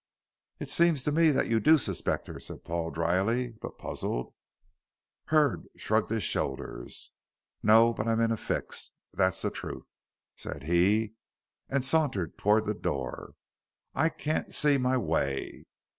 "It seems to me that you do suspect her," said Paul dryly, but puzzled. Hurd shrugged his shoulders. "No, but I'm in a fix, that's a truth," said he, and sauntered towards the door. "I can't see my way.